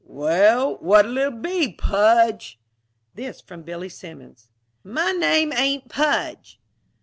"Well, what'll it be, Pudge?" This from Billy Simmons. "My name ain't Pudge."